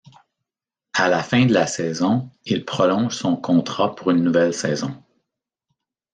À la fin de la saison il prolonge son contrat pour une nouvelle saison.